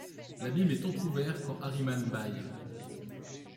L’abîme est entr’ouvert quand Arimane bâille ;